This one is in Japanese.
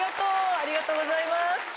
ありがとうございます。